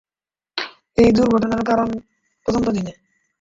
এই দুর্ঘটনার কারণ তদন্তাধীনে।